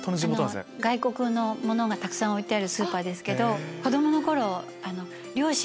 外国のものがたくさん置いてあるスーパーです。